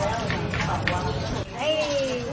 สะพาน